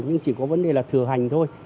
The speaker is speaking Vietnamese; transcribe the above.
nhưng chỉ có vấn đề là thừa hành thôi